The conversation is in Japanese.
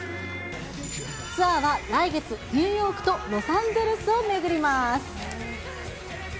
ツアーは来月、ニューヨークとロサンゼルスを巡ります。